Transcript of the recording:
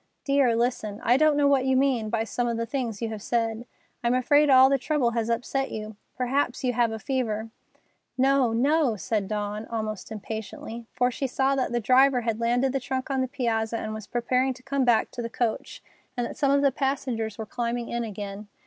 "Dear, listen! I don't know what you mean by some of the things you have said. I'm afraid all the trouble has upset you. Perhaps you have a fever——" "No! No!" said Dawn, almost impatiently, for she saw that the driver had landed the trunk on the piazza and was preparing to come back to the coach, and that some of the passengers were climbing in again.